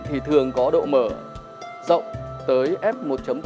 thì thường có độ mở rộng tới f một